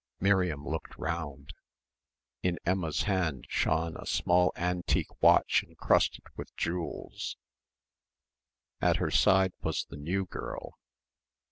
Miriam looked round in Emma's hand shone a small antique watch encrusted with jewels; at her side was the new girl.